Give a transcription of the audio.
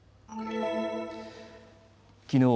きのう